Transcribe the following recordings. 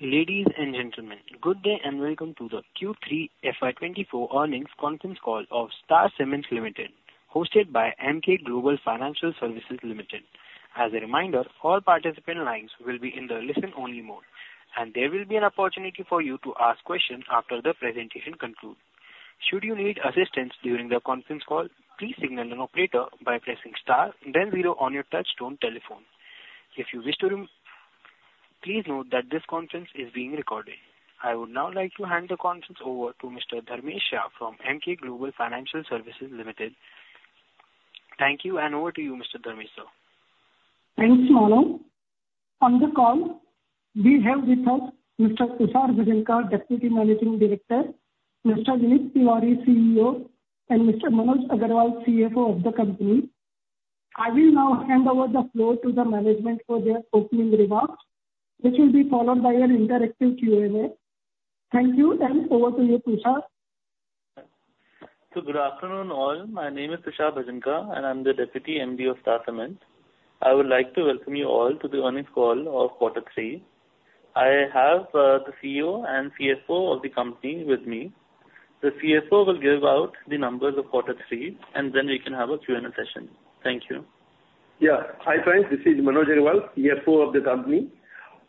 Ladies and gentlemen, good day and welcome to the Q3 FY24 earnings conference call of Star Cement Limited, hosted by Emkay Global Financial Services Limited. As a reminder, all participant lines will be in the listen-only mode, and there will be an opportunity for you to ask questions after the presentation concludes. Should you need assistance during the conference call, please signal an operator by pressing star, then zero on your touch-tone telephone. If you wish to remove, please note that this conference is being recorded. I would now like to hand the conference over to Mr. Dharmesh Shah from Emkay Global Financial Services Limited. Thank you, and over to you, Mr. Dharmesh Sir. Thanks, Manu. On the call, we have with us Mr. Tushar Bhajanka, Deputy Managing Director, Mr. Vinit Kumar Tiwari, CEO, and Mr. Manoj Agarwal, CFO of the company. I will now hand over the floor to the management for their opening remarks, which will be followed by an interactive Q&A. Thank you, and over to you, Tushar. Good afternoon, all. My name is Tushar Bhajanka, and I'm the Deputy MD of Star Cement. I would like to welcome you all to the earnings call of quarter three. I have the CEO and CFO of the company with me. The CFO will give out the numbers of quarter three, and then we can have a Q&A session. Thank you. Yeah, hi friends. This is Manoj Agarwal, CFO of the company.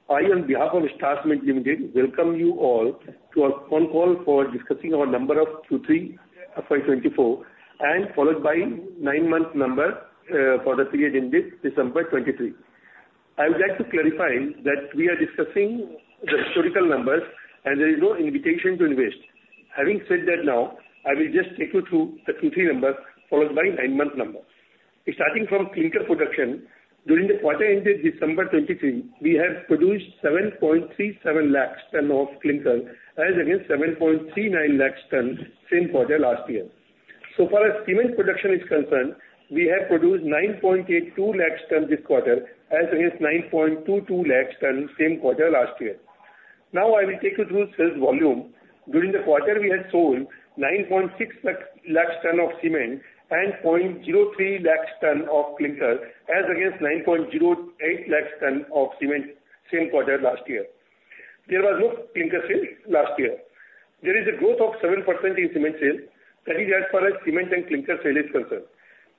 I, on behalf of Star Cement Limited, welcome you all to our phone call for discussing our numbers for Q3 FY24, followed by nine-month numbers, for the period ended December 2023. I would like to clarify that we are discussing the historical numbers, and there is no invitation to invest. Having said that now, I will just take you through the Q3 numbers, followed by nine-month numbers. Starting from clinker production, during the quarter ended December 2023, we have produced 737,000 tons of clinker, as against 739,000 tons, same quarter last year. So far as cement production is concerned, we have produced 982,000 tons this quarter, as against 922,000 tons, same quarter last year. Now I will take you through sales volume. During the quarter, we had sold 9.6 lakh tons of cement and 0.03 lakh tons of clinker, as against 9.08 lakh tons of cement same quarter last year. There was no clinker sales last year. There is a growth of 7% in cement sales. That is as far as cement and clinker sales is concerned.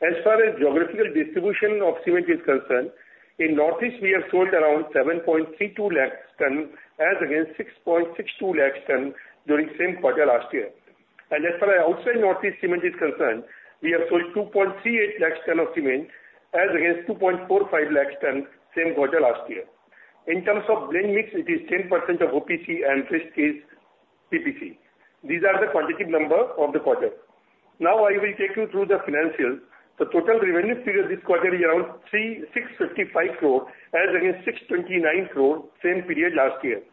As far as geographical distribution of cement is concerned, in Northeast, we have sold around 7.32 lakh tons, as against 6.62 lakh tons during same quarter last year. As far as outside Northeast cement is concerned, we have sold 2.38 lakh tons of cement, as against 2.45 lakh tons same quarter last year. In terms of blend mix, it is 10% OPC, and rest is PPC. These are the quantitative number of the quarter. Now I will take you through the financials. The total revenue figure this quarter is around 3,655 crore, as against 629 crore, same period last year.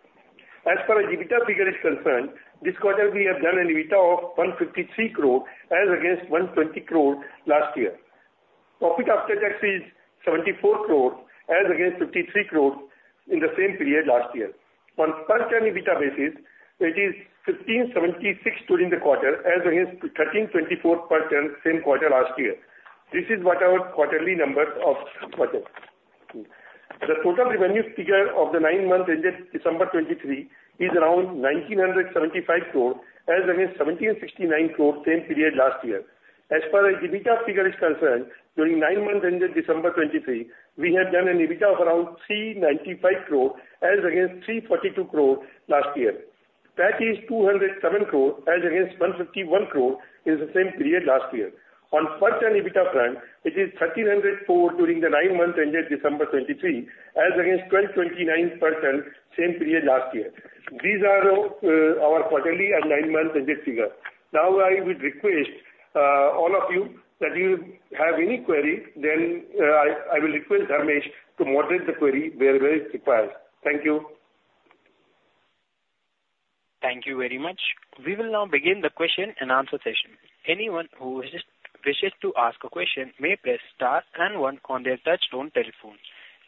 As far as EBITDA figure is concerned, this quarter we have done an EBITDA of 153 crore, as against 120 crore, last year. Profit after tax is 74 crore, as against 53 crore, in the same period last year. On per-tonne EBITDA basis, it is 1,576 during the quarter, as against 1,324 per tonne, same quarter last year. This is what our quarterly numbers of quarter. The total revenue figure of the nine months ended December 2023 is around 1,975 crore, as against 1,769 crore, same period last year. As far as EBITDA figure is concerned, during nine months ended December 2023, we have done an EBITDA of around 395 crore, as against 342 crore, last year. That is 207 crore, as against 151 crore, in the same period last year. On per tonne EBITDA front, it is 1,304 during the nine months ended December 23, as against 1,229 per tonne, same period last year. These are our quarterly and nine months ended figures. Now I would request all of you that if you have any query, then I will request Dharmesh to moderate the query wherever it requires. Thank you. Thank you very much. We will now begin the question and answer session. Anyone who wishes to ask a question may press star and one on their touch-tone telephone.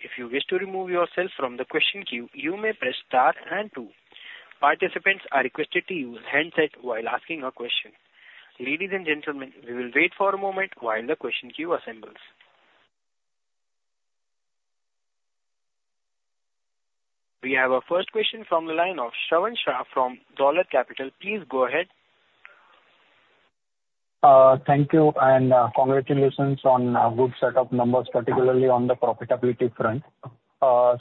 If you wish to remove yourself from the question queue, you may press star and two. Participants are requested to use headset while asking a question. Ladies and gentlemen, we will wait for a moment while the question queue assembles. We have our first question from the line of Shravan Shah from Dolat Capital. Please go ahead. Thank you, and congratulations on a good set of numbers, particularly on the profitability front.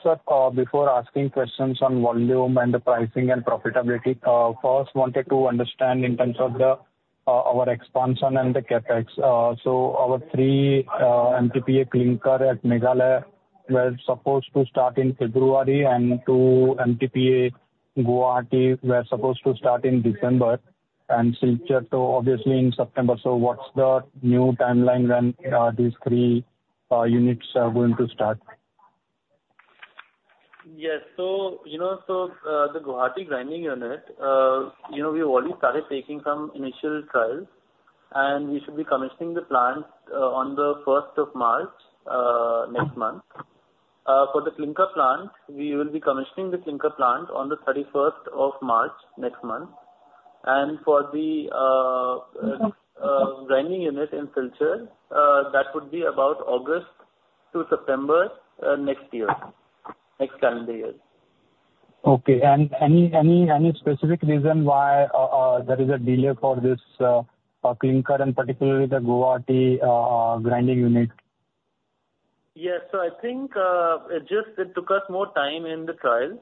Sir, before asking questions on volume and the pricing and profitability, first wanted to understand in terms of our expansion and the CapEx. So our 3 MTPA clinker at Meghalaya were supposed to start in February, and 2 MTPA Guwahati were supposed to start in December, and Silchar, so obviously in September. So what's the new timeline when these three units are going to start? Yes, so, you know, so, the Guwahati grinding unit, you know, we've already started taking some initial trials, and we should be commissioning the plant on the 1st of March, next month. For the clinker plant, we will be commissioning the clinker plant on the 31st of March, next month. And for the grinding unit in Silchar, that would be about August to September, next year, next calendar year. Okay. And any specific reason why there is a delay for this clinker, and particularly the Guwahati grinding unit? Yes, so I think it just took us more time in the trials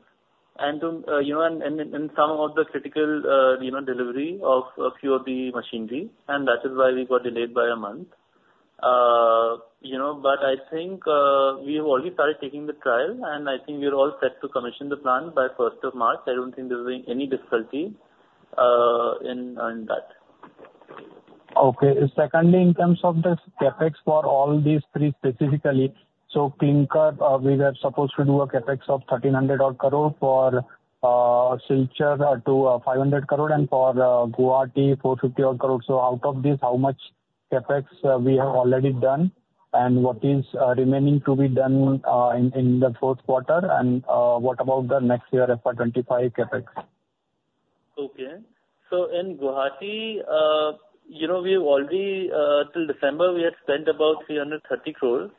and to, you know, and some of the critical, you know, delivery of a few of the machinery, and that is why we got delayed by a month. You know, but I think we have already started taking the trial, and I think we are all set to commission the plant by 1st of March. I don't think there will be any difficulty in that. Okay. Secondly, in terms of the for all these three specifically, so clinker, we were supposed to do a CapEx of INR 1,300 crore for Silchar to 500 crore, and for Guwahati INR 450 crore. So out of this, how much CapEx we have already done, and what is remaining to be done in the fourth quarter, and what about the next year FY 2025 CapEx? Okay. So in Guwahati, you know, we have already, till December, we had spent about 330 crore,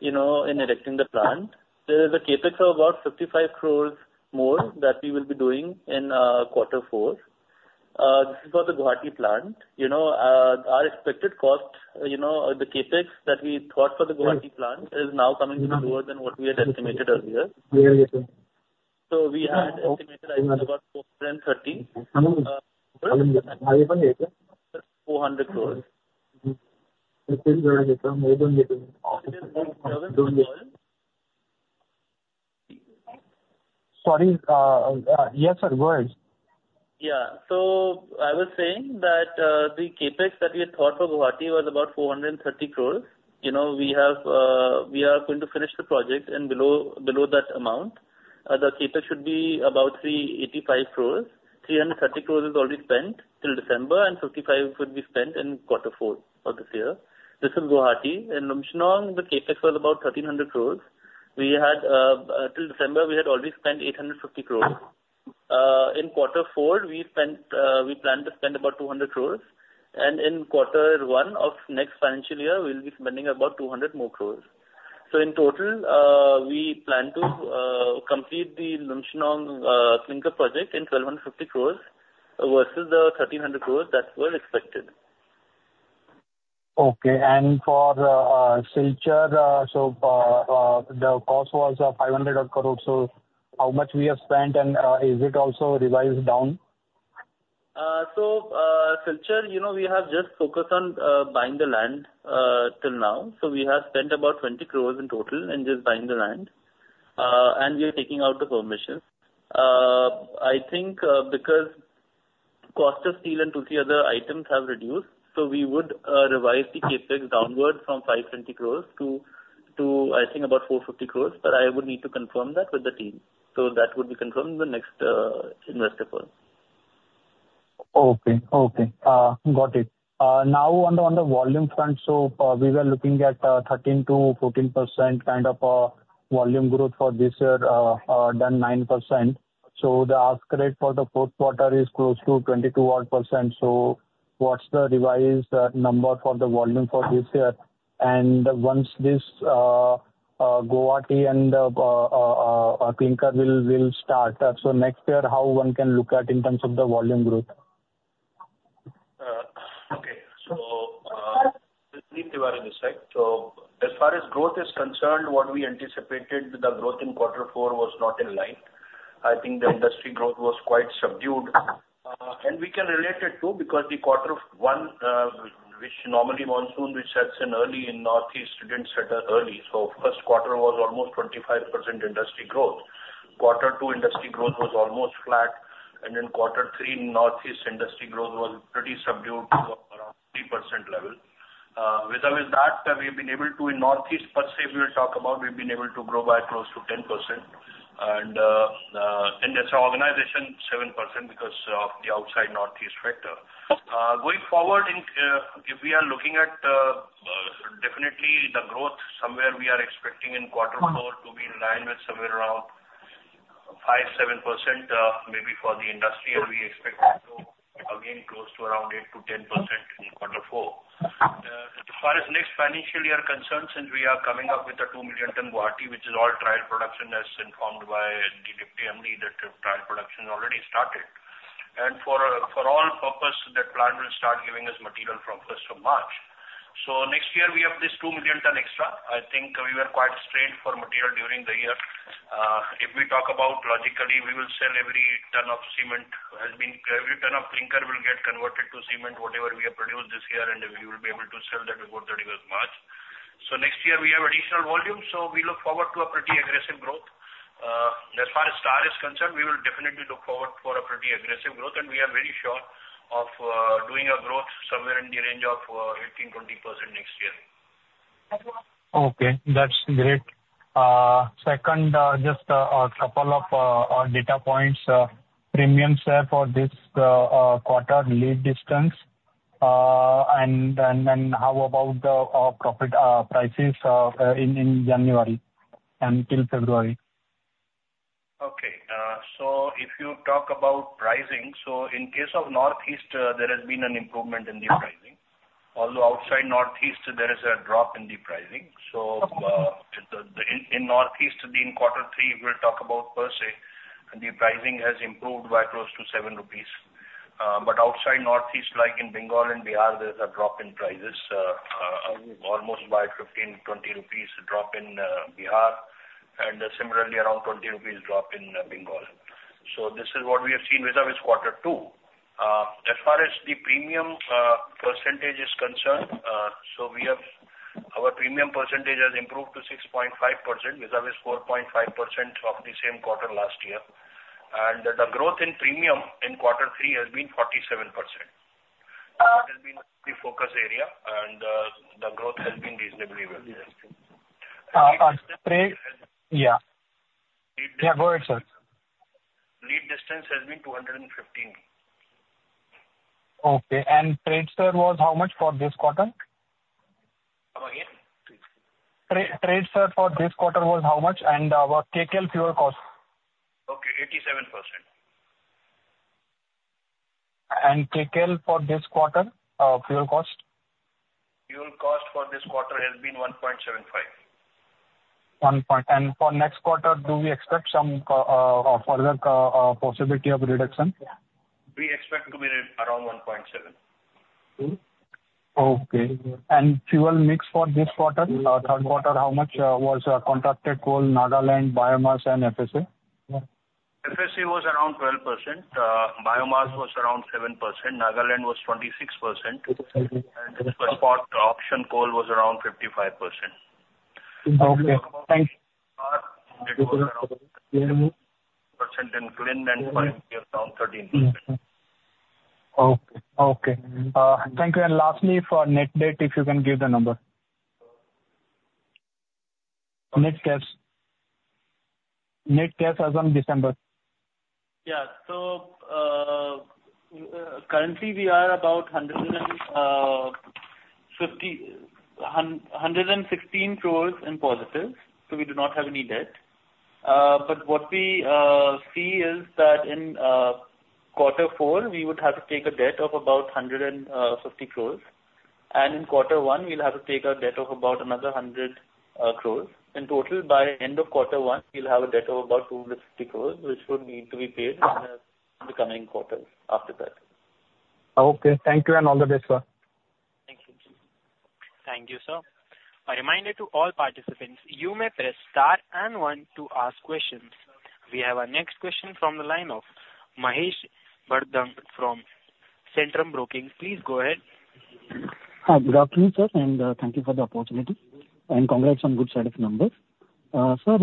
you know, in erecting the plant. There is a CapEx of about 55 crore more that we will be doing in quarter four. This is for the Guwahati plant. You know, our expected cost, you know, the CapEx that we thought for the Guwahati plant is now coming to be lower than what we had estimated earlier. So we had estimated, I think, about 430-400 crore. Sorry, yes, sir. Go ahead. Yeah, so I was saying that the CapEx that we had thought for Guwahati was about 430 crore. You know, we have, we are going to finish the project in below, below that amount. The CapEx should be about 385 crore. 330 crore is already spent till December, and 55 crore would be spent in quarter four of this year. This is Guwahati. In Lumshnong, the CapEx was about 1,300 crore. We had, till December, we had already spent 850 crore. In quarter four, we planned to spend about 200 crore. And in quarter one of next financial year, we'll be spending about 200 crore more. So in total, we plan to complete the Lumshnong clinker project in 1,250 crore versus the 1,300 crore that were expected. Okay. And for Silchar, so, the cost was 500 crore. So how much we have spent, and, is it also revised down? So, Silchar, you know, we have just focused on buying the land till now. So we have spent about 20 crore in total in just buying the land, and we are taking out the permission. I think, because cost of steel and two-three other items have reduced, so we would revise the CapEx downward from 520 crore to I think, about 450 crore. But I would need to confirm that with the team. So that would be confirmed in the next investor call. Okay. Okay. Got it. Now on the volume front, so we were looking at 13%-14% kind of volume growth for this year, done 9%. So the ask rate for the fourth quarter is close to 22 odd percent. So what's the revised number for the volume for this year? And once this Guwahati and the clinker will, will start, so next year, how one can look at in terms of the volume growth? Okay. So, Vinit Tiwari, the CEO. So as far as growth is concerned, what we anticipated, the growth in quarter four was not in line. I think the industry growth was quite subdued. And we can relate it too because the quarter one, which normally monsoon, which sets in early, in Northeast, didn't set early. So first quarter was almost 25% industry growth. Quarter two, industry growth was almost flat. And in quarter three, Northeast industry growth was pretty subdued to around 3% level. With or without that, we have been able to in Northeast, per se, we'll talk about, we've been able to grow by close to 10%. And as an organization, 7% because of the outside Northeast factor. Going forward, if we are looking at, definitely the growth somewhere we are expecting in quarter four to be in line with somewhere around 5%-7%, maybe for the industry, and we expect to grow again close to around 8%-10% in quarter four. As far as next financial year concerned, since we are coming up with a 2 million tonne Guwahati, which is all trial production, as informed by the Deputy MD, that trial production is already started. For all purposes, that plant will start giving us material from 1st of March. So next year, we have this 2 million tonne extra. I think we were quite strained for material during the year. If we talk about logically, we will sell every ton of cement has been every ton of clinker will get converted to cement, whatever we have produced this year, and we will be able to sell that before 31st March. So next year, we have additional volume, so we look forward to a pretty aggressive growth. As far as Star is concerned, we will definitely look forward for a pretty aggressive growth, and we are very sure of doing a growth somewhere in the range of 18%-20% next year. Okay. That's great. Second, just a couple of data points. Premium, sir, for this quarter, lead distance. And how about the profit prices in January and till February? Okay. So if you talk about pricing, so in case of Northeast, there has been an improvement in the pricing. Although outside Northeast, there is a drop in the pricing. So, in Northeast, in quarter three, we'll talk about, per se, the pricing has improved by close to 7 rupees. But outside Northeast, like in Bengal and Bihar, there's a drop in prices, almost by 15-20 rupees drop in Bihar, and similarly, around 20 rupees drop in Bengal. So this is what we have seen with or without quarter two. As far as the premium percentage is concerned, so we have our premium percentage has improved to 6.5% with or without 4.5% of the same quarter last year. And the growth in premium in quarter three has been 47%. That has been the focus area, and the growth has been reasonably well. trade. Lead distance has been. Yeah. Yeah, go ahead, sir. Lead distance has been 215. Okay. And trade, sir, was how much for this quarter? Come again? Trade. Trade, sir, for this quarter was how much? And our kcal fuel cost? Okay. 87%. kcal for this quarter, fuel cost? Fuel cost for this quarter has been 1.75. 1 point. For next quarter, do we expect some further possibility of reduction? We expect to be around 1.7. Okay. Fuel mix for this quarter, third quarter, how much was contracted coal, Nagaland, biomass, and FSA? FSA was around 12%. Biomass was around 7%. Nagaland was 26%. And spot auction coal was around 55%. Okay. Thank you. It was around 10% in linkage and around 13%. Okay. Okay, thank you. And lastly, for net debt, if you can give the number. Net debt as on December. Yeah. So, currently, we are about 150.116 crores in positive, so we do not have any debt. But what we see is that in quarter four, we would have to take a debt of about 150 crores. In quarter one, we'll have to take a debt of about another 100 crores. In total, by the end of quarter one, we'll have a debt of about 250 crores, which would need to be paid in the coming quarters after that. Okay. Thank you, and all the best, sir. Thank you. Thank you, sir. A reminder to all participants, you may press star and one to ask questions. We have our next question from the line of Mangesh Bhadang from Centrum Broking. Please go ahead. Good afternoon, sir, and thank you for the opportunity. Congrats on good set of numbers. Sir,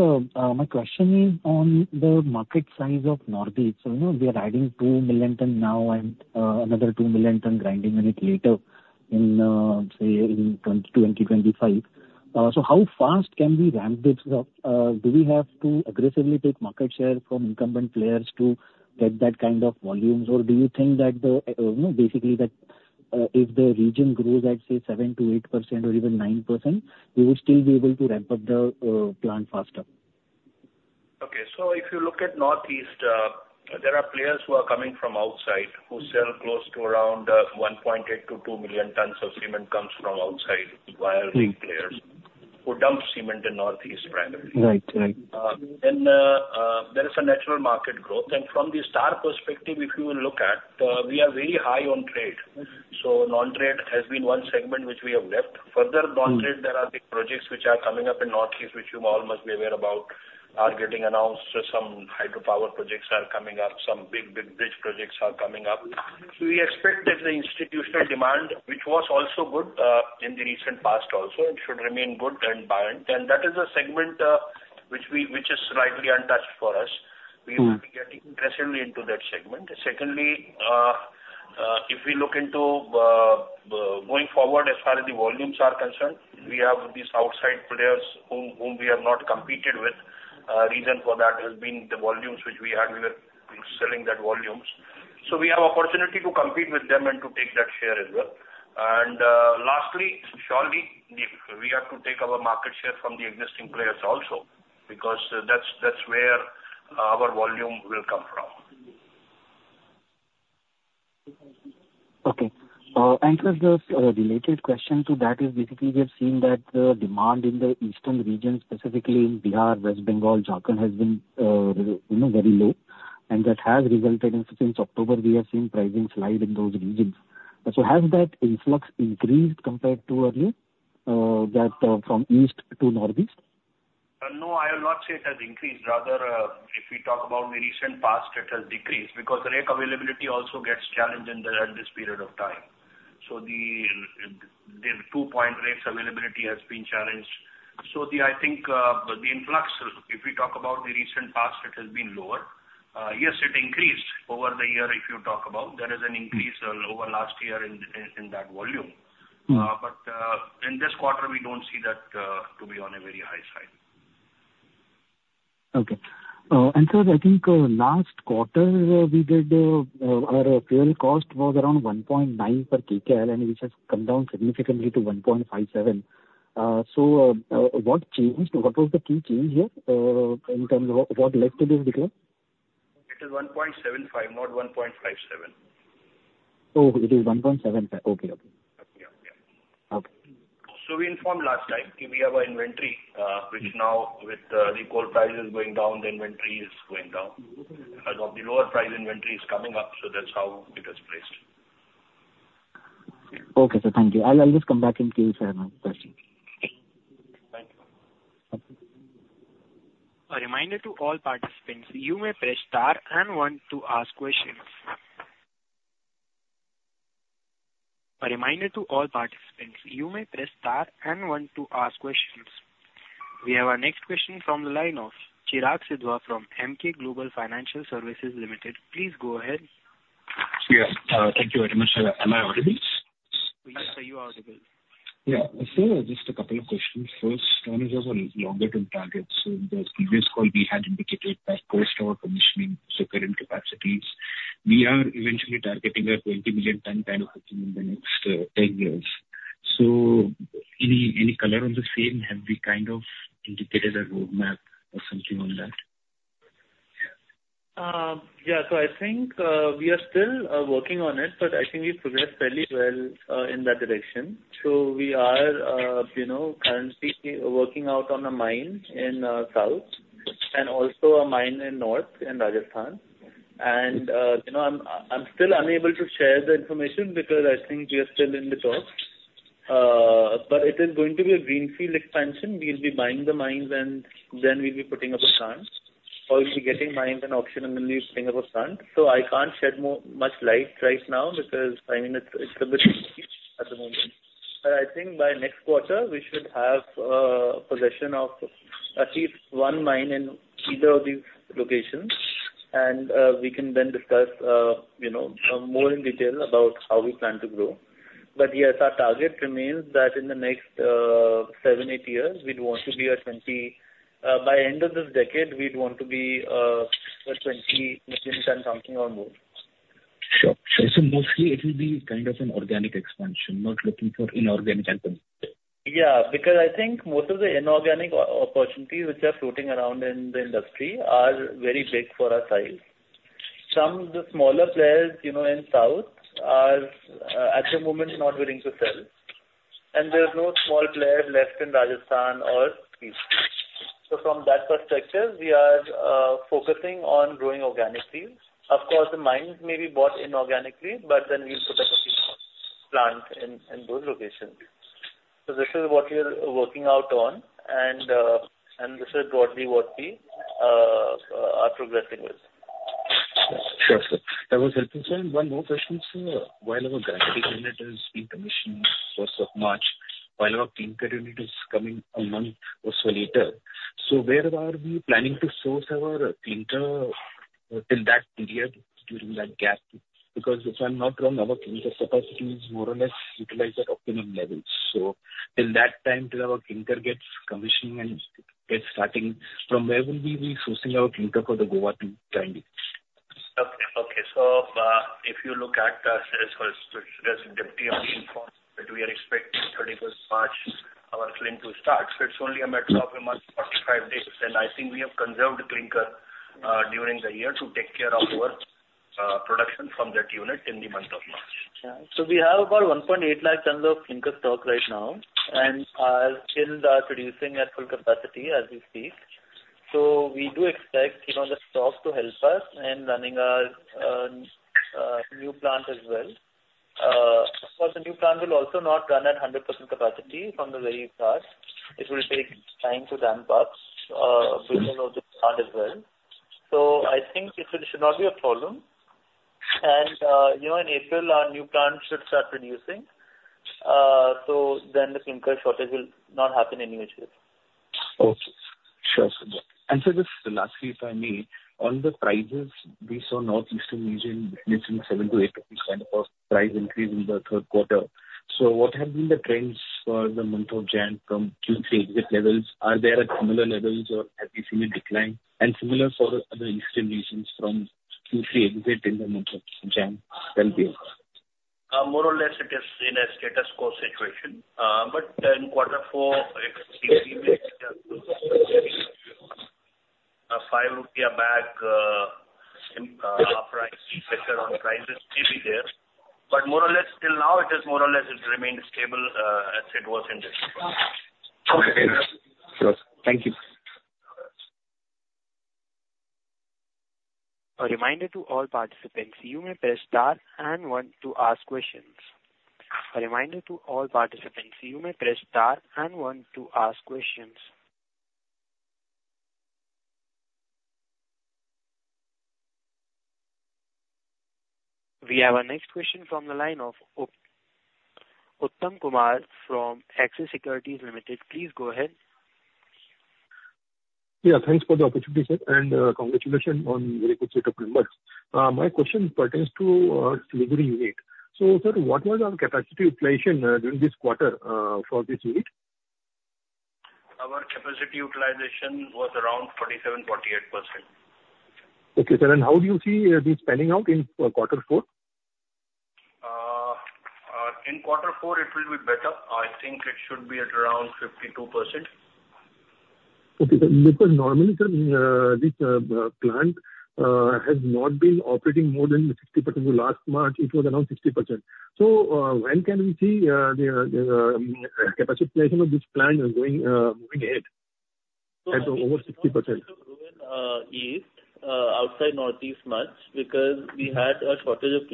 my question is on the market size of Northeast. So, you know, we are adding 2 million ton now and another 2 million ton grinding unit later in, say, in 2024, 2025. So how fast can we ramp this up? Do we have to aggressively take market share from incumbent players to get that kind of volumes, or do you think that the, you know, basically, that if the region grows at, say, 7%-8% or even 9%, we would still be able to ramp up the plant faster? Okay. So if you look at Northeast, there are players who are coming from outside who sell close to around 1.8 million-2 million tons of cement comes from outside via big players who dump cement in Northeast primarily. Right. Right. There is a natural market growth. From the Star perspective, if you look at, we are very high on trade. So non-trade has been one segment which we have left. Further, non-trade, there are big projects which are coming up in Northeast, which you all must be aware about, are getting announced. Some hydropower projects are coming up. Some big, big bridge projects are coming up. So we expect that the institutional demand, which was also good, in the recent past also, should remain good and buying. And that is a segment, which is slightly untouched for us. We will be getting aggressively into that segment. Secondly, if we look into, going forward, as far as the volumes are concerned, we have these outside players whom we have not competed with. The reason for that has been the volumes which we had. We were selling that volumes. We have opportunity to compete with them and to take that share as well. Lastly, surely, we have to take our market share from the existing players also because that's where our volume will come from. Okay. I have a related question to that is basically we have seen that the demand in the eastern region, specifically in Bihar, West Bengal, Jharkhand, has been, you know, very low. And that has resulted in since October, we have seen pricing slide in those regions. So has that influx increased compared to earlier, that, from east to Northeast? No, I will not say it has increased. Rather, if we talk about the recent past, it has decreased because rate availability also gets challenged in the at this period of time. So, the 2-point rates availability has been challenged. So, I think, the influx, if we talk about the recent past, it has been lower. Yes, it increased over the year if you talk about. There is an increase over last year in that volume. But, in this quarter, we don't see that to be on a very high side. Okay. I think, last quarter, we did, our fuel cost was around 1.9 per kcal, and which has come down significantly to 1.57. So, what changed? What was the key change here, in terms of what led to this decline? It is 1.75, not 1.57. Oh, it is 1.75. Okay. Okay. Yeah. Yeah. Okay. So we informed last time if we have our inventory, which now, with the coal prices going down, the inventory is going down. As of the lower price, inventory is coming up, so that's how it has placed. Okay, sir. Thank you. I'll, I'll just come back in case I have another question. Thank you. A reminder to all participants, you may press star and one to ask questions. A reminder to all participants, you may press star and one to ask questions. We have our next question from the line of Chirag Sidhwa from Emkay Global Financial Services Limited. Please go ahead. Yes. Thank you very much, sir. Am I audible? Yes, sir. You are audible. Yeah. Sir, just a couple of questions. First, one is of a longer-term target. So in the previous call, we had indicated that post-hour commissioning, so current capacities, we are eventually targeting a 20 million ton kind of thing in the next 10 years. So any, any color on the scene, have we kind of indicated a roadmap or something on that? Yeah. So I think we are still working on it, but I think we've progressed fairly well in that direction. So we are, you know, currently working out on a mine in south and also a mine in north in Rajasthan. And, you know, I'm still unable to share the information because I think we are still in the talks. But it is going to be a greenfield expansion. We'll be buying the mines, and then we'll be putting up a plant. Or we'll be getting mines in auction, and then we'll be putting up a plant. So I can't shed more light right now because, I mean, it's a bit at the moment. But I think by next quarter, we should have possession of at least one mine in either of these locations. We can then discuss, you know, more in detail about how we plan to grow. But yes, our target remains that in the next 7-8 years, we'd want to be a 20 million ton by the end of this decade, we'd want to be a 20 million ton something or more. Sure. Sure. So mostly, it will be kind of an organic expansion, not looking for inorganic opportunities? Yeah. Because I think most of the inorganic opportunities which are floating around in the industry are very big for our size. Some of the smaller players, you know, in South are at the moment not willing to sell. And there are no small players left in Rajasthan or East. So from that perspective, we are focusing on growing organically. Of course, the mines may be bought inorganically, but then we'll put up a few more plants in those locations. So this is what we are working out on. And this is broadly what we are progressing with. Sure, sir. That was helpful, sir. And one more question, sir. While our Guwahati unit has been commissioned for so much, while our clinker unit is coming a month or so later, so where are we planning to source our clinker till that period, during that gap? Because if I'm not wrong, our clinker capacity is more or less utilized at optimum levels. So till that time, till our clinker gets commissioning and gets starting, from where will we be sourcing our clinker for the Guwahati to grind it? Okay. Okay. So, if you look at, sir, so as Deputy MD informed, that we are expecting 31st March our clinker to start. So it's only a matter of a month, 45 days. And I think we have conserved clinker, during the year to take care of our, production from that unit in the month of March. Yeah. So we have about 180,000 tons of clinker stock right now and are producing at full capacity as we speak. So we do expect, you know, the stock to help us in running our new plant as well. Of course, the new plant will also not run at 100% capacity from the very start. It will take time to ramp up, build all of the plant as well. So I think it should not be a problem. And, you know, in April, our new plant should start producing. So then the clinker shortage will not happen anyway. Okay. Sure, sir. Sir, just the last piece I need. On the prices, we saw Northeastern region mentioning 7-8 kind of a price increase in the third quarter. So what have been the trends for the month of January from Q3 exit levels? Are there similar levels, or have we seen a decline? Similar for the eastern regions from Q3 exit in the month of January? More or less, it is in a status quo situation. But in quarter four, it may be an INR 5-a-bag upward pressure on prices may be there. But more or less, till now, it is more or less it remained stable, as it was in the. Okay. Sure. Thank you. A reminder to all participants, you may press star and one to ask questions. A reminder to all participants, you may press star and one to ask questions. We have our next question from the line of Uttam Kumar from Axis Securities Limited. Please go ahead. Yeah. Thanks for the opportunity, sir. And, congratulations on very good set of numbers. My question pertains to Siliguri unit. So, sir, what was our capacity utilization during this quarter for this unit? Our capacity utilization was around 47%-48%. Okay, sir. How do you see this panning out in quarter four? in quarter four, it will be better. I think it should be at around 52%. Okay, sir. Because normally, sir, this plant has not been operating more than 60%. Last March, it was around 60%. So, when can we see the capacity utilization of this plant moving ahead at over 60%? So, sir, we will not push outside Northeast much because we had a shortage of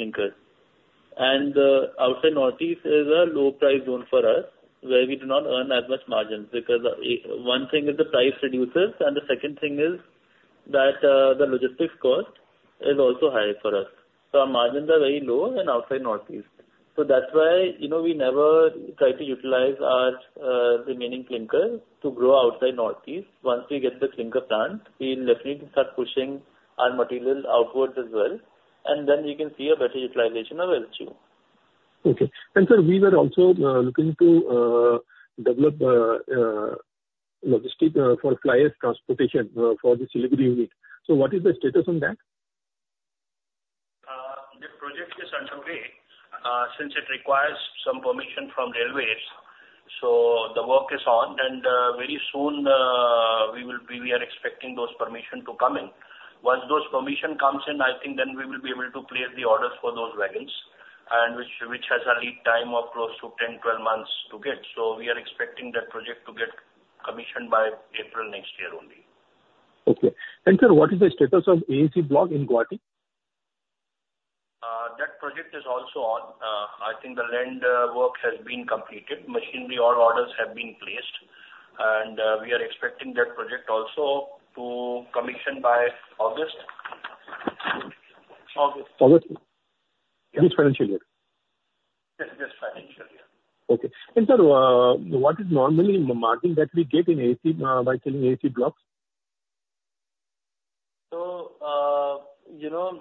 clinker. Outside Northeast is a low-price zone for us where we do not earn as much margins because one thing is the price reduces, and the second thing is that the logistics cost is also high for us. So our margins are very low in outside Northeast. So that's why, you know, we never try to utilize our remaining clinker to grow outside Northeast. Once we get the clinker plant, we'll definitely start pushing our material outwards as well. And then we can see a better utilization of SGU. Okay. And sir, we were also looking to develop logistics for fly ash transportation for the Siliguri unit. So what is the status on that? The project is underway, since it requires some permission from railways. So the work is on. And, very soon, we are expecting those permission to come in. Once those permission comes in, I think then we will be able to place the orders for those wagons, and which has a lead time of close to 10-12 months to get. So we are expecting that project to get commissioned by April next year only. Okay. And, sir, what is the status of AAC block in Guwahati? That project is also on. I think the land work has been completed. Machinery, all orders have been placed. We are expecting that project also to commission by August. August. August. This financial year? Yes. This financial year. Okay. And, sir, what is normally the margin that we get in AAC, by selling AAC blocks? So, you know,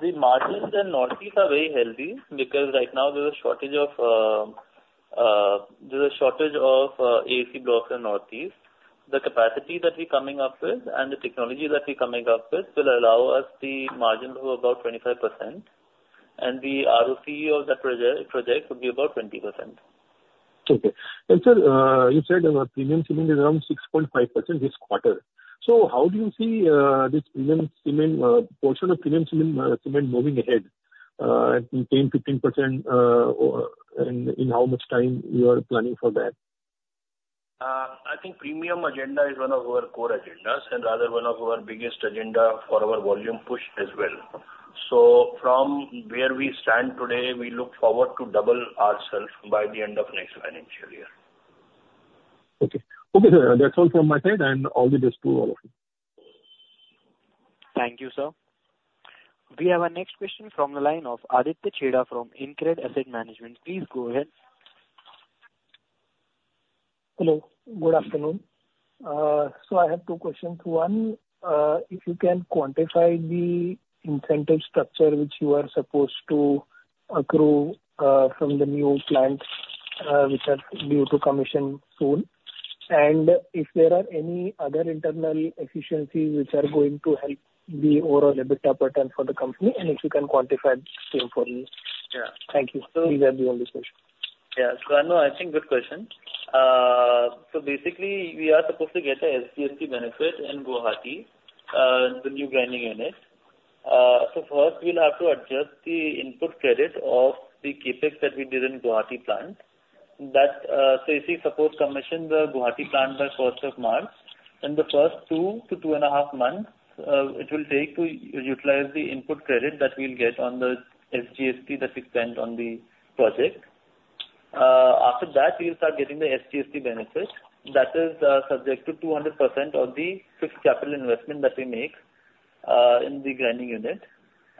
the margins in Northeast are very healthy because right now, there is a shortage of AAC blocks in Northeast. The capacity that we're coming up with and the technology that we're coming up with will allow us the margin of about 25%. And the ROCE of that project would be about 20%. Okay. Sir, you said on our premium cement is around 6.5% this quarter. How do you see this premium cement, portion of premium cement, cement moving ahead, at 10%, 15%, or in how much time you are planning for that? I think premium agenda is one of our core agendas and rather one of our biggest agenda for our volume push as well. So from where we stand today, we look forward to double ourselves by the end of next financial year. Okay. Okay, sir. That's all from my side. All the best to all of you. Thank you, sir. We have our next question from the line of Aditya Chheda from InCred Asset Management. Please go ahead. Hello. Good afternoon. I have two questions. One, if you can quantify the incentive structure which you are supposed to accrue from the new plant, which are due to commission soon. And if there are any other internal efficiencies which are going to help the overall EBITDA pattern for the company, and if you can quantify the same for me. Yeah. Thank you. These are the only questions. Yeah. So, I know. I think good question. So basically, we are supposed to get an SGST benefit in Guwahati, the new grinding unit. So first, we'll have to adjust the input credit of the CapEx that we did in Guwahati plant. That, so if we suppose commission the Guwahati plant by 1st of March, in the first 2-2.5 months, it will take to utilize the input credit that we'll get on the SGST that we spend on the project. After that, we'll start getting the SGST benefit. That is, subject to 200% of the fixed capital investment that we make, in the grinding unit.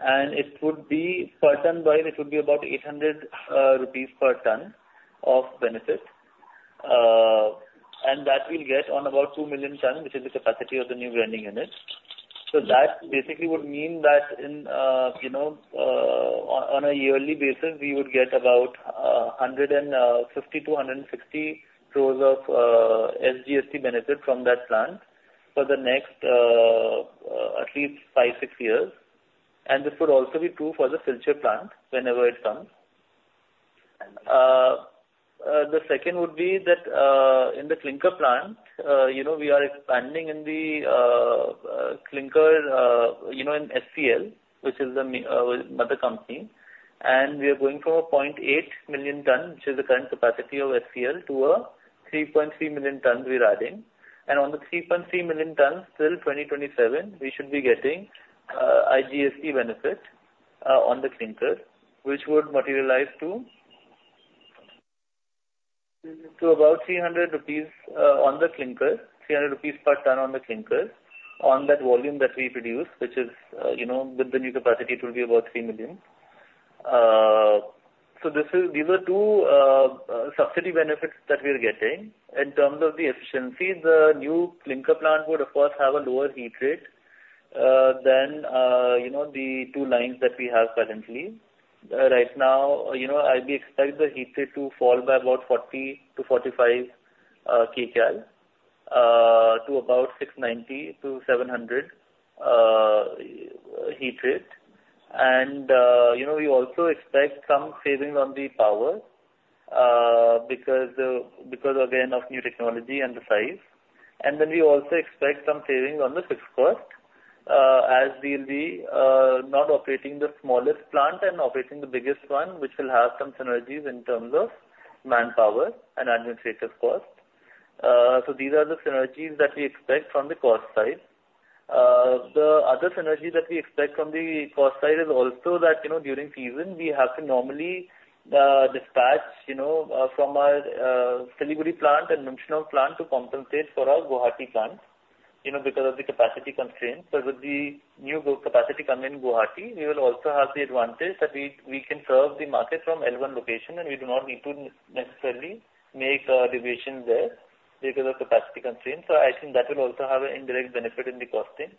And it would be per ton by it would be about 800 rupees per ton of benefit. And that we'll get on about 2 million tons, which is the capacity of the new grinding unit. So that basically would mean that in, you know, on, on a yearly basis, we would get about 150-160 crores of SGST benefit from that plant for the next, at least 5, 6 years. And this would also be true for the Silchar plant whenever it comes. The second would be that, in the clinker plant, you know, we are expanding in the clinker, you know, in SCL, which is the mother company. And we are going from 800,000 tons, which is the current capacity of SCL, to a 3.3 million tons we're adding. And on the 3.3 million tons, till 2027, we should be getting IGST benefit on the clinker, which would materialize to about 300 rupees on the clinker, 300 rupees per ton on the clinker on that volume that we produce, which is, you know, with the new capacity, it will be about 3 million. So this is these are two subsidy benefits that we are getting. In terms of the efficiency, the new clinker plant would, of course, have a lower heat rate than, you know, the two lines that we have currently. Right now, you know, I'd be expecting the heat rate to fall by about 40-45 kcal, to about 690-700 heat rate. And, you know, we also expect some savings on the power, because, because, again, of new technology and the size. Then we also expect some savings on the fixed cost, as we'll be not operating the smallest plant and operating the biggest one, which will have some synergies in terms of manpower and administrative cost. So these are the synergies that we expect from the cost side. The other synergy that we expect from the cost side is also that, you know, during season, we have to normally dispatch, you know, from our Siliguri plant and Lumshnong plant to compensate for our Guwahati plant, you know, because of the capacity constraints. So with the new capacity coming in Guwahati, we will also have the advantage that we can serve the market from L1 location, and we do not need to necessarily make a deviation there because of capacity constraints. So I think that will also have an indirect benefit in the costing.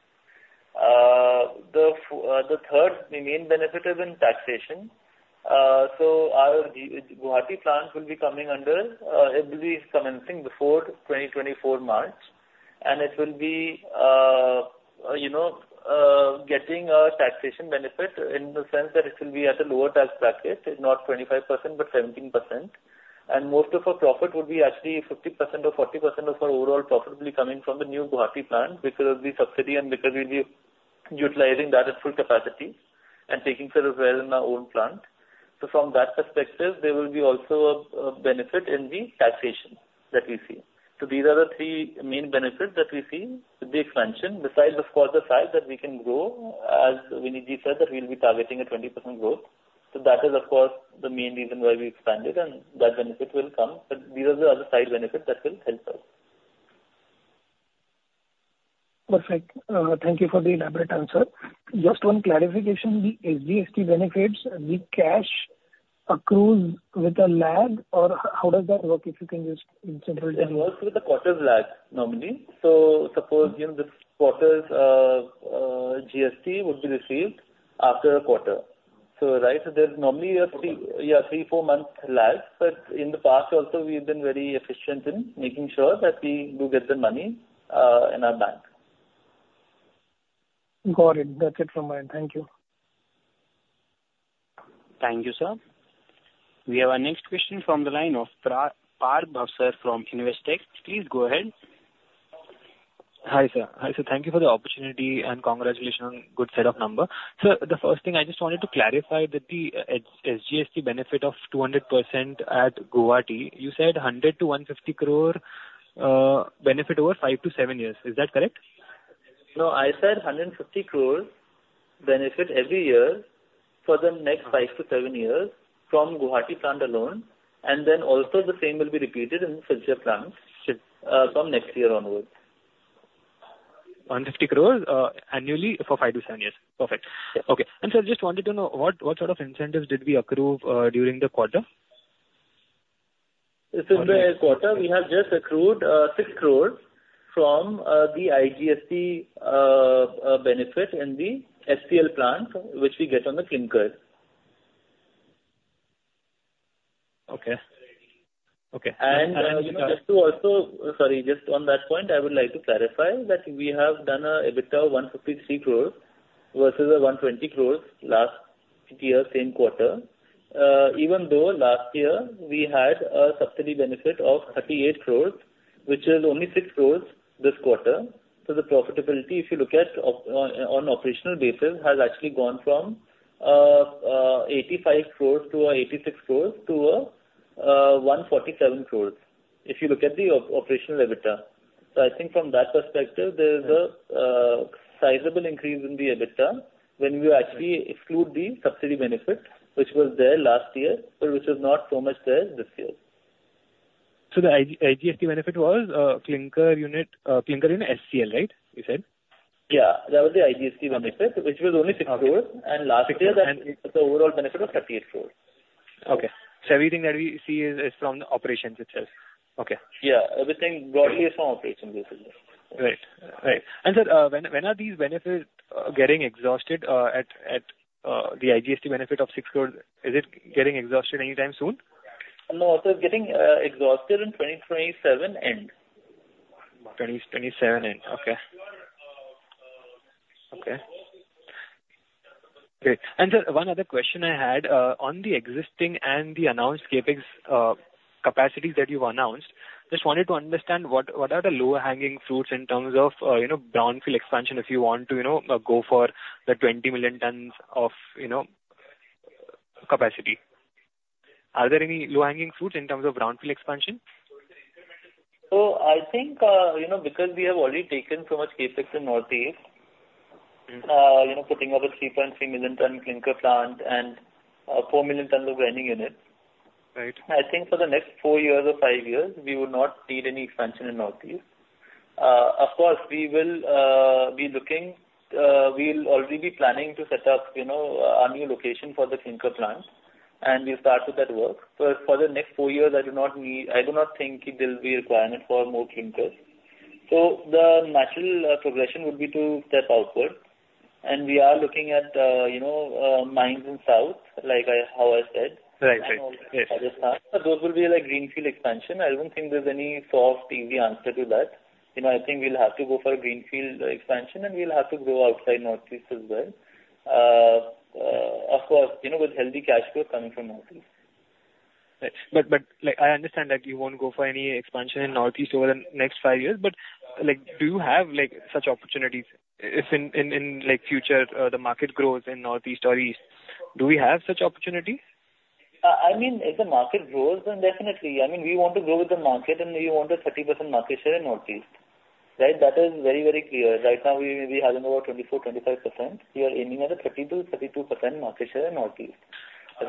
The main benefit is in taxation. So our Guwahati plant will be coming under, it will be commencing before March 2024. And it will be, you know, getting a taxation benefit in the sense that it will be at a lower tax bracket, not 25% but 17%. And most of our profit would be actually 50% or 40% of our overall profit will be coming from the new Guwahati plant because of the subsidy, and because we'll be utilizing that at full capacity and taking care of well in our own plant. So from that perspective, there will be also a benefit in the taxation that we see. So these are the three main benefits that we see with the expansion, besides, of course, the size that we can grow as Vinit said that we'll be targeting a 20% growth. That is, of course, the main reason why we expanded, and that benefit will come. These are the other side benefits that will help us. Perfect. Thank you for the elaborate answer. Just one clarification. The GST benefits, the cash accrues with a lag, or how does that work if you can use incentive terms? It works with a quarter's lag, normally. So suppose, you know, this quarter's GST would be received after a quarter. So right, there's normally a three- to four-month lag. But in the past, also, we've been very efficient in making sure that we do get the money in our bank. Got it. That's it from my end. Thank you. Thank you, sir. We have our next question from the line of Parth Bhavsar from Investec. Please go ahead. Hi, sir. Hi, sir. Thank you for the opportunity, and congratulations on a good set of numbers. Sir, the first thing, I just wanted to clarify that the SGST benefit of 200% at Guwahati, you said 100 crore-150 crore, benefit over 5-7 years. Is that correct? No, I said 150 crore benefit every year for the next 5-7 years from Guwahati plant alone. And then also, the same will be repeated in the Silchar plant, from next year onwards. 150 crore annually for 5-7 years. Perfect. Okay. And, sir, I just wanted to know, what, what sort of incentives did we accrue during the quarter? In the quarter, we have just accrued 6 crore from the IGST benefit in the SCL plant, which we get on the clinker. Okay. Okay. You know, just to also sorry, just on that point, I would like to clarify that we have done an EBITDA of 153 crore versus 120 crore last year, same quarter. Even though last year, we had a subsidy benefit of 38 crore, which is only 6 crore this quarter, so the profitability, if you look at an operational basis, has actually gone from 85 crore to 86 crore to 147 crore, if you look at the operational EBITDA. I think from that perspective, there is a sizable increase in the EBITDA when we actually exclude the subsidy benefit, which was there last year, but which is not so much there this year. So the IGST benefit was, clinker unit, clinker in SCL, right, you said? Yeah. That was the IGST benefit, which was only 6 crores. Last year, that's the overall benefit of 38 crores. Okay. So everything that we see is from the operations itself. Okay. Yeah. Everything, broadly, is from operations, basically. Right. And, sir, when are these benefits getting exhausted at the IGST benefit of 6 crore? Is it getting exhausted anytime soon? No. So it's getting exhausted in 2027 end. 2027 end. Okay. Okay. Great. And, sir, one other question I had, on the existing and the announced CapEx, capacities that you've announced, just wanted to understand what, what are the low-hanging fruits in terms of, you know, brownfield expansion, if you want to, you know, go for the 20 million tons of, you know, capacity? Are there any low-hanging fruits in terms of brownfield expansion? So I think, you know, because we have already taken so much CapEx in Northeast, you know, putting up a 3.3 million-ton clinker plant and a 4 million-ton grinding unit. Right. I think for the next four years or five years, we will not need any expansion in Northeast. Of course, we'll already be planning to set up, you know, our new location for the clinker plant. And we'll start with that work. But for the next four years, I do not think it will be a requirement for more clinkers. So the natural progression would be to step outward. And we are looking at, you know, mines in South, like I said. Right. Right. Yes. And all those things. Those will be like greenfield expansion. I don't think there's any soft, easy answer to that. You know, I think we'll have to go for a greenfield expansion, and we'll have to grow outside Northeast as well. Of course, you know, with healthy cash flow coming from Northeast. Right. But, like, I understand that you won't go for any expansion in Northeast over the next five years. But, like, do you have, like, such opportunities if in, like, future, the market grows in Northeast or East, do we have such opportunities? I mean, if the market grows, then definitely. I mean, we want to grow with the market, and we want a 30% market share in Northeast, right? That is very, very clear. Right now, we maybe have over 24%-25%. We are aiming at a 30%-32% market share in Northeast,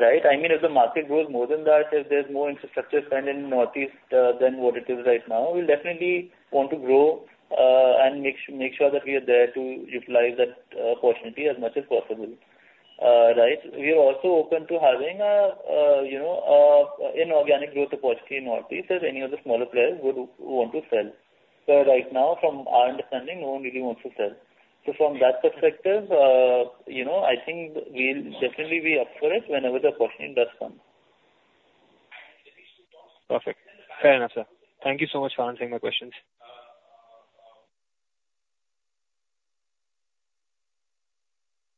right? I mean, if the market grows more than that, if there's more infrastructure spend in Northeast than what it is right now, we'll definitely want to grow, and make sure that we are there to utilize that opportunity as much as possible, right? We are also open to having a, you know, an organic growth opportunity in Northeast if any of the smaller players would want to sell. But right now, from our understanding, no one really wants to sell. From that perspective, you know, I think we'll definitely be up for it whenever the opportunity does come. Perfect. Fair enough, sir. Thank you so much for answering my questions.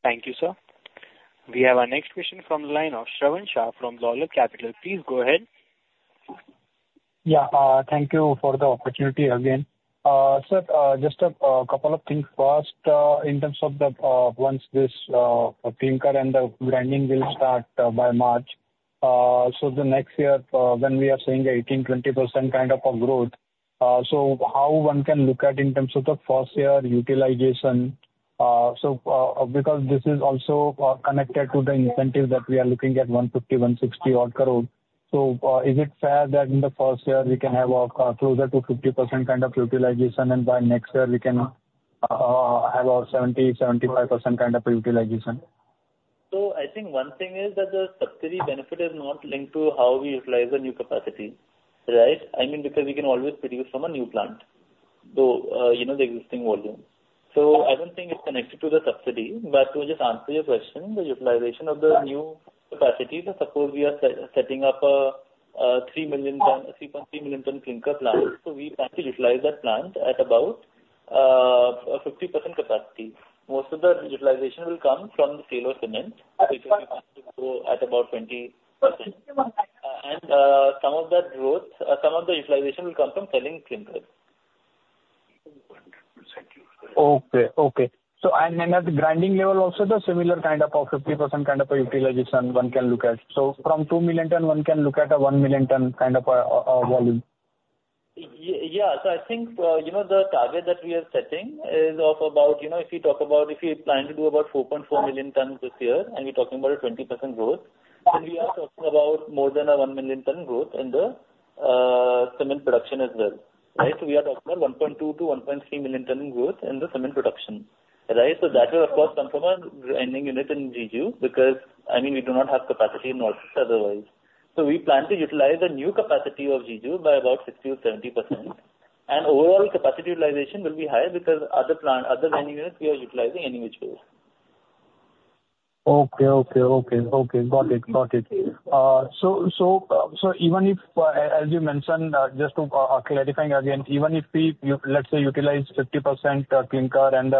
Thank you, sir. We have our next question from the line of Shravan Shah from Dolat Capital. Please go ahead. Yeah. Thank you for the opportunity again. Sir, just a couple of things first. In terms of the once this clinker and the grinding will start by March, so the next year, when we are seeing a 18%-20% kind of a growth, so how one can look at in terms of the first-year utilization? So, because this is also connected to the incentive that we are looking at 150-160 odd crore. So, is it fair that in the first year, we can have a closer to 50% kind of utilization, and by next year, we can have a 70%-75% kind of a utilization? So I think one thing is that the subsidy benefit is not linked to how we utilize the new capacity, right? I mean, because we can always produce from a new plant, though, you know, the existing volume. So I don't think it's connected to the subsidy. But to just answer your question, the utilization of the new capacities are supposed we are setting up a 3 million ton 3.3 million ton clinker plant, so we plan to utilize that plant at about a 50% capacity. Most of the utilization will come from the sale of cement because we plan to go at about 20%. And some of that growth, some of the utilization will come from selling clinkers. Okay. Okay. So, at the grinding level also, the similar kind of a 50% kind of a utilization one can look at? So from 2 million ton, one can look at a 1 million ton kind of a volume? Yeah. So I think, you know, the target that we are setting is of about, you know, if we talk about if we plan to do about 4.4 million tons this year, and we're talking about a 20% growth, then we are talking about more than a 1 million ton growth in the, cement production as well, right? So we are talking about 1.2-1.3 million ton growth in the cement production, right? So that will, of course, come from a grinding unit in GGU because, I mean, we do not have capacity in Northeast otherwise. So we plan to utilize the new capacity of GGU by about 60%-70%. And overall, capacity utilization will be higher because other plant other grinding units, we are utilizing any which way. Okay. Okay. Got it. Got it. So even if, as you mentioned, just to clarifying again, even if we, you let's say, utilize 50% clinker and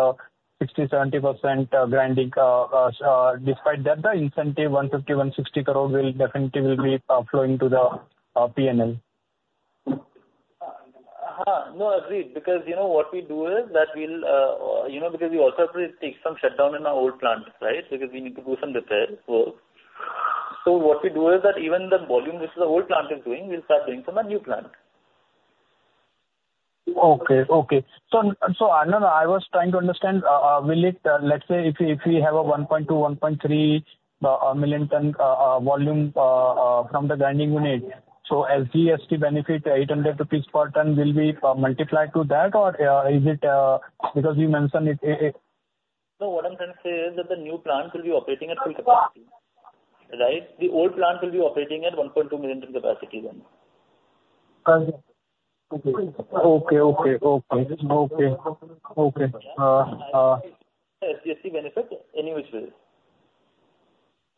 60%-70% grinding, despite that, the incentive INR 150 crore-INR 160 crore will definitely be flowing to the P&L? No, I agree. Because, you know, what we do is that we'll, you know, because we also have to take some shutdown in our old plant, right, because we need to do some repair work. So what we do is that even the volume which the old plant is doing, we'll start doing from a new plant. Okay. So, no. I was trying to understand, will it, let's say, if we have a 1.2 million-1.3 million ton volume from the grinding unit, so SGST benefit, 800 rupees per ton will be multiplied to that, or is it, because you mentioned it? No, what I'm trying to say is that the new plant will be operating at full capacity, right? The old plant will be operating at 1.2 million ton capacity then. Okay. Okay. Okay. Okay. Okay. Okay. SGST benefit, any which way.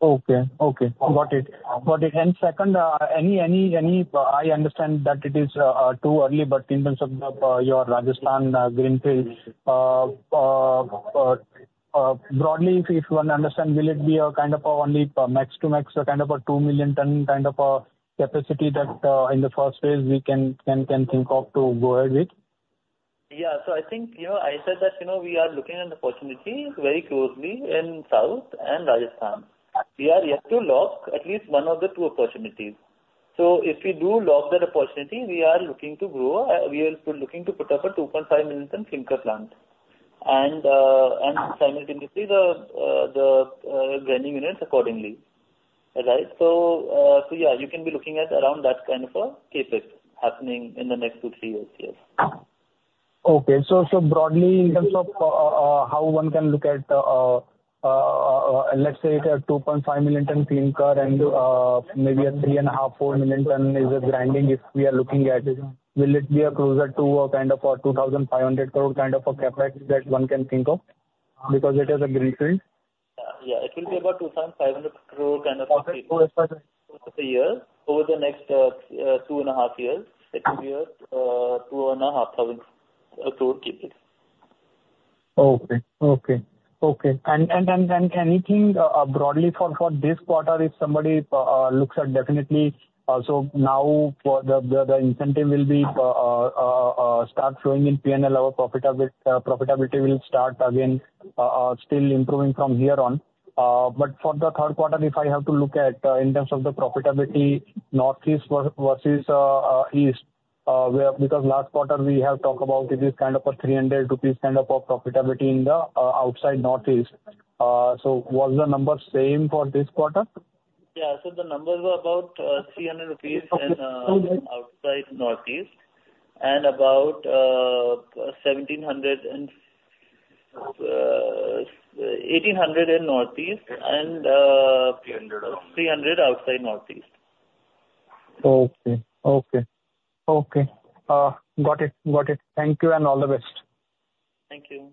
Okay. Okay. Got it. Got it. And second, any I understand that it is too early, but in terms of your Rajasthan greenfield, broadly, if one understands, will it be a kind of a only, max to max, a kind of a 2 million ton kind of a capacity that, in the first phase, we can think of to go ahead with? Yeah. So I think, you know, I said that, you know, we are looking at an opportunity very closely in South and Rajasthan. We are yet to lock at least one of the two opportunities. So if we do lock that opportunity, we are looking to put up a 2.5 million ton clinker plant and simultaneously, the grinding units accordingly, right? So yeah, you can be looking at around that kind of CapEx happening in the next two, three years, yes. Okay. So broadly, in terms of how one can look at, let's say, it's a 2.5 million-ton clinker, and maybe a 3.5 million-4 million-ton grinding if we are looking at it, will it be closer to a kind of 2,500 crore kind of CapEx that one can think of because it is a greenfield? Yeah. Yeah. It will be about 2,500 crore, kind of a CapEx per year over the next 2.5 years. It will be at INR 2,500 crore CapEx. Okay. And anything, broadly, for this quarter, if somebody looks at definitely, so now for the incentive will start flowing in P&L, our profitability will start again, still improving from here on. But for the third quarter, if I have to look at, in terms of the profitability, Northeast versus East, where because last quarter, we have talked about it is kind of a 300 rupees kind of a profitability in the outside Northeast. So was the number same for this quarter? Yeah. The numbers were about 300 rupees in outside Northeast and about 1,700 and 1,800 in Northeast and 300 outside Northeast. Okay. Okay. Okay. Got it. Got it. Thank you, and all the best. Thank you.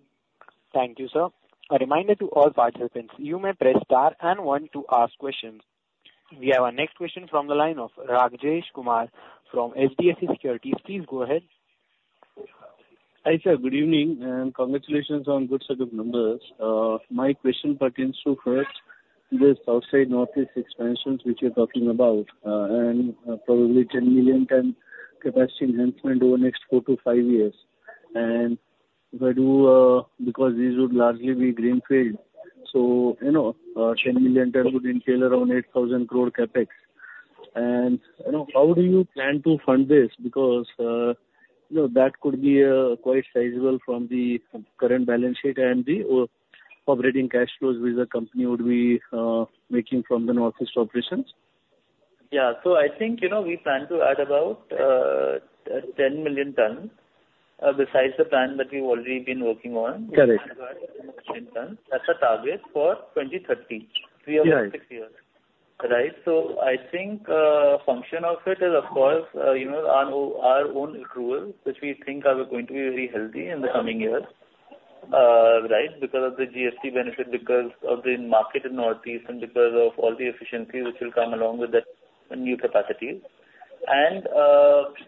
Thank you, sir. A reminder to all participants: you may press star and one to ask questions. We have our next question from the line of Rajesh Kumar from HDFC Securities. Please go ahead. Hi, sir. Good evening, and congratulations on good set of numbers. My question pertains to, first, the south-side Northeast expansions which you're talking about, and, probably 10 million ton capacity enhancement over the next 4-5 years. And where do, because these would largely be greenfield, so, you know, 10 million ton would entail around 8,000 crore CapEx. And, you know, how do you plan to fund this? Because, you know, that could be, quite sizable from the current balance sheet and the, operating cash flows which the company would be, making from the Northeast operations. Yeah. So I think, you know, we plan to add about 10 million tons, besides the plan that we've already been working on. Got it. In terms of 10 million ton, that's a target for 2030. We have six years, right? So I think, function of it is, of course, you know, our own accrual which we think are going to be very healthy in the coming years, right, because of the GST benefit, because of the market in Northeast, and because of all the efficiencies which will come along with that new capacity. And,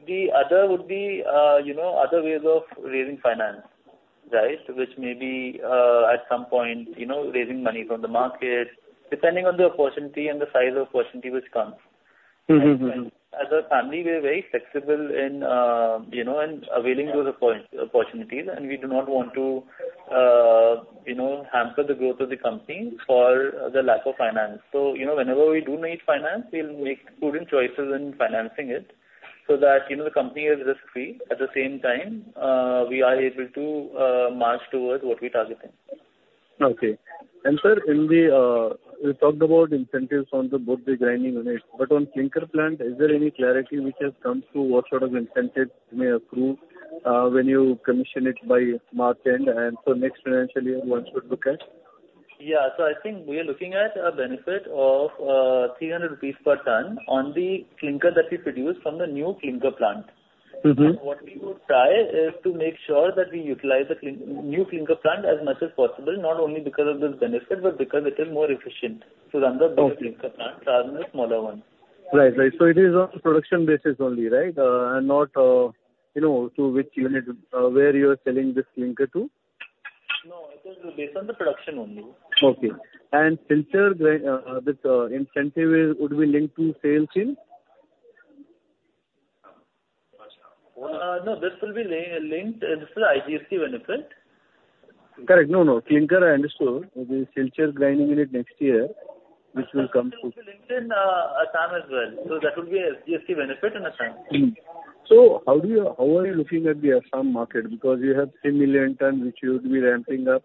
the other would be, you know, other ways of raising finance, right, which may be, at some point, you know, raising money from the market depending on the opportunity and the size of opportunity which comes. And as a family, we're very flexible in, you know, in availing those opportunities. And we do not want to, you know, hamper the growth of the company for the lack of finance. So, you know, whenever we do need finance, we'll make prudent choices in financing it so that, you know, the company is risk-free. At the same time, we are able to march towards what we're targeting. Okay. And, sir, in the, you talked about incentives on both the grinding units. But on clinker plant, is there any clarity which has come to what sort of incentive you may approve, when you commission it by March end and so next financial year one should look at? Yeah. So I think we are looking at a benefit of 300 rupees per ton on the clinker that we produce from the new clinker plant. Mm-hmm. What we would try is to make sure that we utilize the new clinker plant as much as possible, not only because of this benefit, but because it is more efficient to run the bigger clinker plant rather than the smaller one. Right. Right. So it is on production basis only, right, and not, you know, to which unit, where you are selling this clinker to? No. It is based on the production only. Okay. And Silchar grind, this, incentive is would be linked to sales in? No. This will be re-linked. This is IGST benefit. Correct. No, no. Clinker, I understood. The Silchar grinding unit next year which will come to. It will be linked in Assam as well. So that will be a SGST benefit in Assam. So how are you looking at the Assam market? Because you have 3 million tons which you would be ramping up.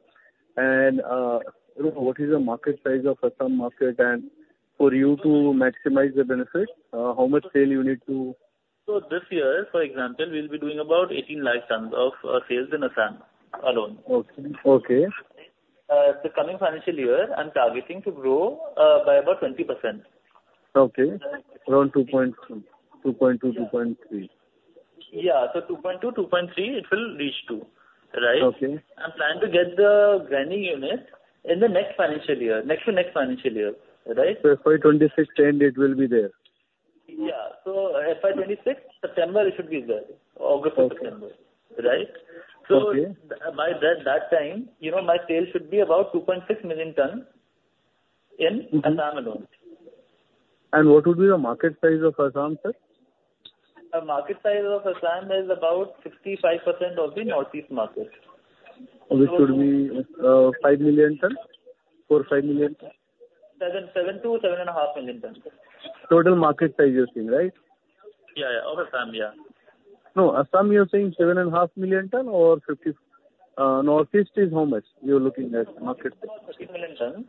And, you know, what is the market size of Assam market? And for you to maximize the benefit, how much sale you need to? So this year, for example, we'll be doing about 18 lakh tons of sales in Assam alone. Okay. Okay. The coming financial year, I'm targeting to grow by about 20%. Okay. Around 2.2 million tons, 2.3 million tons. Yeah. So 2.2 million tons, 2.3 million tons, it will reach to, right? Okay. I'm planning to get the grinding unit in the next financial year, next to next financial year, right? So FY 2026, 10 million tons, it will be there? Yeah. So FY 2026, September, it should be there, August or September, right? Okay. By that time, you know, my sales should be about 2.6 million tons in Assam alone. What would be the market size of Assam, sir? market size of Assam is about 65% of the Northeast market. Which would be 5 million tons, 4 million tons-5 million tons? 7 million tons-7.5 million tons, sir. Total market size you're saying, right? Yeah. Yeah. Of Assam, yeah. No, Assam, you're saying 7.5 million tons or 50 Northeast is how much you're looking at market size? 13 million tons.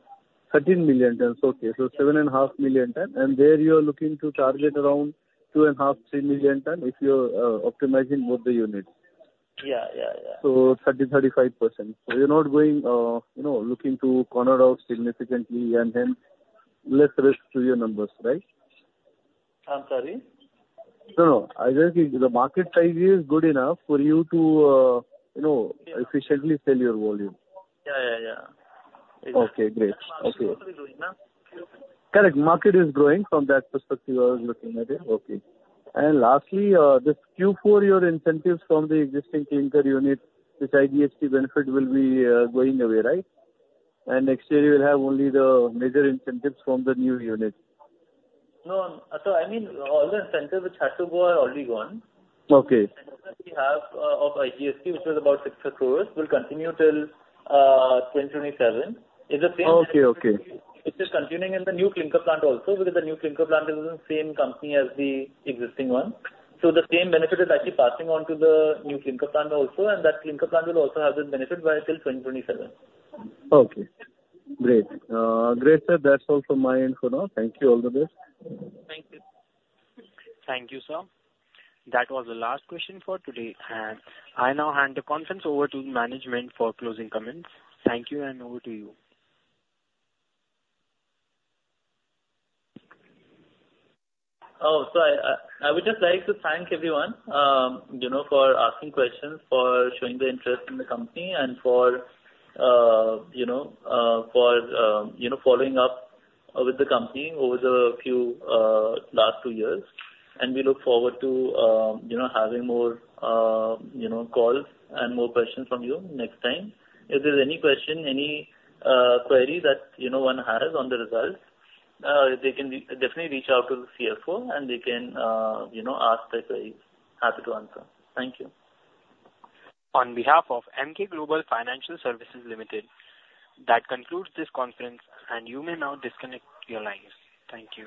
13 million tons. Okay. So 7.5 million tons. And there you are looking to target around 2.5 million-3 million tons if you're optimizing both the units. Yeah. Yeah. Yeah. So 30%-35%. So you're not going, you know, looking to corner out significantly and hence less risk to your numbers, right? I'm sorry? No, no. I think the market size is good enough for you to, you know, efficiently sell your volume. Yeah. Yeah. Yeah. Exactly. Okay. Great. Okay. What are we doing now? Correct. Market is growing from that perspective. I was looking at it. Okay. Lastly, this Q4, your incentives from the existing clinker unit which IGST benefit will be going away, right? Next year, you will have only the major incentives from the new unit. No. So I mean, all the incentives which had to go are already gone. Okay. The incentive we have of IGST, which was about 600 crore, will continue till 2027. It's the same benefit. Okay. Okay. Which is continuing in the new clinker plant also because the new clinker plant is in the same company as the existing one. So the same benefit is actually passing on to the new clinker plant also. That clinker plant will also have this benefit until 2027. Okay. Great. Great, sir. That's all from my end for now. Thank you. All the best. Thank you. Thank you, sir. That was the last question for today. I now hand the conference over to management for closing comments. Thank you, and over to you. Oh, so I, I would just like to thank everyone, you know, for asking questions, for showing the interest in the company, and for, you know, for, you know, following up, with the company over the few, last two years. We look forward to, you know, having more, you know, calls and more questions from you next time. If there's any question, any, query that, you know, one has on the results, they can definitely reach out to the CFO, and they can, you know, ask their queries. Happy to answer. Thank you. On behalf of Emkay Global Financial Services Limited, that concludes this conference, and you may now disconnect your lines. Thank you.